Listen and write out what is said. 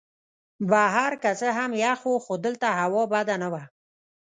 بهر که څه هم یخ وو خو دلته هوا بده نه وه.